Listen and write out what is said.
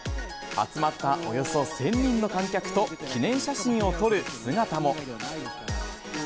集まったおよそ１０００人の観客と記念写真を撮る姿も。